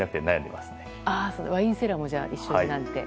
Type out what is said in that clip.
ワインセラーも一緒になんて。